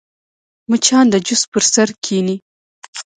مچان د جوس پر سر کښېني